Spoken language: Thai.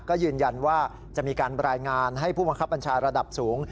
ก็ยืนยันว่าจะมีการรายงานให้ผู้บังคับบัญชาระดับสูง